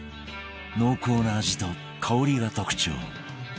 濃厚な味と香りが特徴